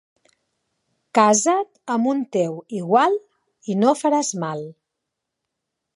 Casa't amb un teu igual i no faràs mal.